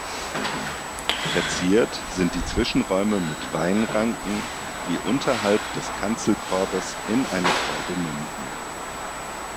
Verziert sind die Zwischenräume mit Weinranken, die unterhalb des Kanzelkorbes in eine Traube münden.